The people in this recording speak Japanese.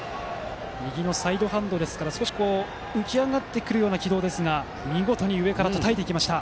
右のサイドハンドですから少し浮き上がってくるような軌道ですが、見事に上からたたいていきました。